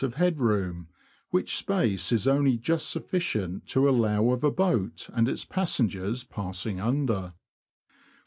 of head room, which space is only just sufficient to allow of a boat and its passengers passing under.